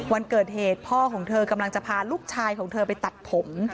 วันเกิดเหตุพ่อของเธอกำลังจะพาลูกชายของเธอไปตัดผม